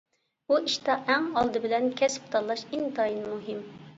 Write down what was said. بۇ ئىشتا ئەڭ ئالدى بىلەن كەسىپ تاللاش ئىنتايىن مۇھىم.